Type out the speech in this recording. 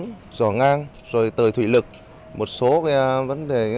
trong phần tin quốc tế